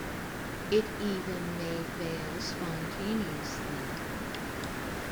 It even may fail spontaneously.